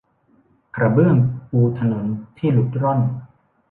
กระเบื้องปูถนนที่หลุดร่อน